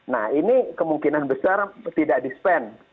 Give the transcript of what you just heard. nah ini kemungkinan besar tidak di spend